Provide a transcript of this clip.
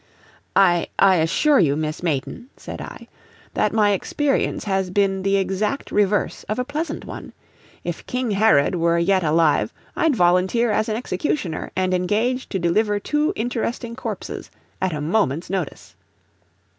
"I I assure you, Miss Mayton," said I, "that my experience has been the exact reverse of a pleasant one. If King Herod were yet alive I'd volunteer as an executioner, and engage to deliver two interesting corpses at a moment's notice."